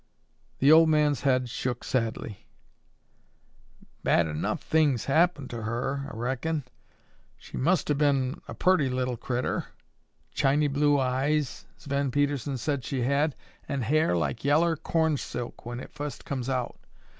The old man's head shook sadly. "Bad enuf things happened to her, I reckon. She must o' been a purty little critter. Chiny blue eyes, Sven Pedersen sed she had, an' hair like yellar cornsilk when it fust comes out.